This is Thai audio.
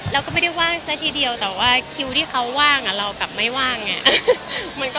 แล้วก็ไม่ได้ว่างซะทีเดียวแต่ว่าคิวที่เขาว่างเราแบบไม่ว่างไง